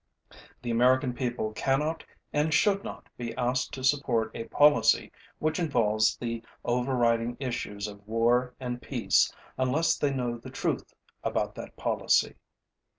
The American people cannot and should not be asked to support a policy which involves the overriding issues of war and peace unless they know the truth about that policy.